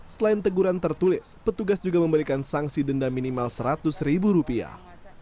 selain teguran tertulis petugas juga memberikan sanksi denda minimal seratus ribu rupiah